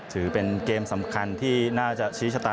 ถือเป็นเกมสำคัญที่น่าจะชี้ชะตา